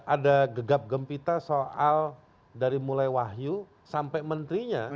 ada gegap gempita soal dari mulai wahyu sampai menterinya